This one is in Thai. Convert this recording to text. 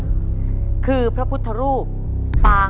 ก็คือพระพุทธรูปองค์ใหญ่ที่บ้าน